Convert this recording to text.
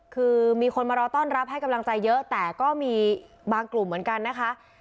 คือมีคนมารอต้อนรับให้กำลังใจเยอะแต่ก็มีบางกลุ่มเหมือนกันนะคะ